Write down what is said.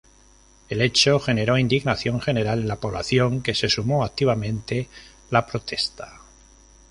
El hecho generó indignación general en la población que se sumó activamente la protesta.